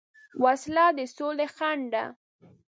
وسله د سولې خنډ ده